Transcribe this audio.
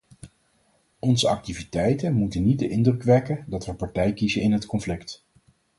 Onze activiteiten moeten niet de indruk wekken dat we partij kiezen in het conflict.